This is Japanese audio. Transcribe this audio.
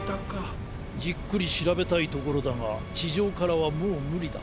じっくりしらべたいところだがちじょうからはもうむりだ。